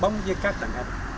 không như các đàn em